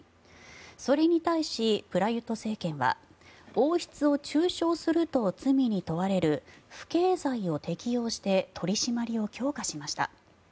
それに対し、プラユット政権は王室を中傷すると罪に問われる不敬罪を適用して取り締まりを強化しました。